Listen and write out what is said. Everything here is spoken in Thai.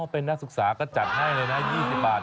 เป็นนักศึกษาก็จัดให้เลยนะ๒๐บาท